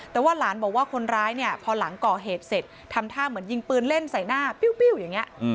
แต่ว่าหลานบอกว่าคนร้ายเนี่ยพอหลังก่อเหตุเสร็จทำท่าเหมือนยิงปืนเล่นใส่หน้าปิ้วอย่างนี้